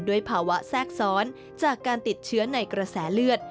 ภาวะแทรกซ้อนจากการติดเชื้อในกระแสเลือด